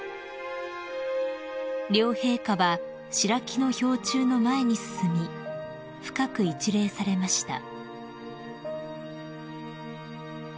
［両陛下は白木の標柱の前に進み深く一礼されました］